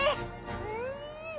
うん！